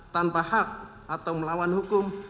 tanpa hak atau melawan hukum